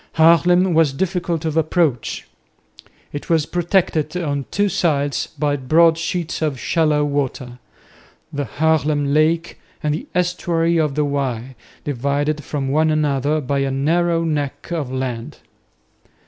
Haarlem was difficult of approach. It was protected on two sides by broad sheets of shallow water, the Haarlem lake and the estuary of the Y, divided from one another by a narrow neck of land.